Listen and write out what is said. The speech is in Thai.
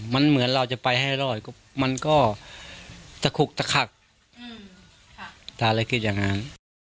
มันเหมือนเราจะไปให้รอดมันก็ตะขุกตะขักถ้าอะไรคิดอย่างนั้น